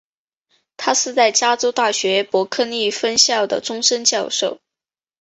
他是在加州大学伯克利分校的终身教授。